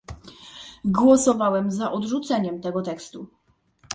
Głosowałem za odrzuceniem tego tekstu